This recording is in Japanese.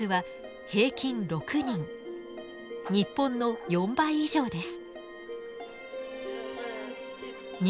日本の４倍以上です。